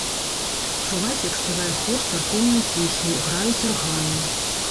Чуваць, як спявае хор царкоўную песню, граюць арганы.